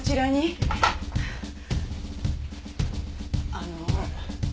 あの。